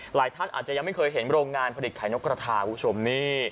หลายท่านอาจจะยังไม่เคยเห็นโรงงานผลิตไข่นกกระทาคุณผู้ชมนี่